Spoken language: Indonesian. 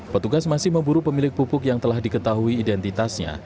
petugas masih memburu pemilik pupuk yang telah diketahui identitasnya